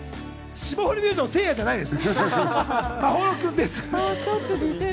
霜降り明星のせいやじゃないです。